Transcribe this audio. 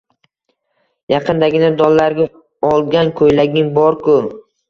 Yaqindagina dollarga olgan koʻylaging bor-ku